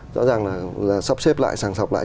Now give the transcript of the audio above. rõ ràng là sắp xếp lại sàng sọc lại